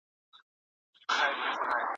د کلي په ویاله کې اوبه ډېرې کمې شوې دي.